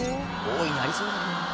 大いにありそうだけど。